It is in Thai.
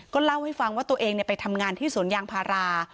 เล่าให้ฟังว่าตัวเองไปทำงานที่สวนยางพารา